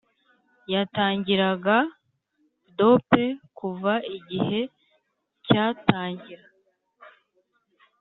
yatangiraga dope kuva igihe cyatangira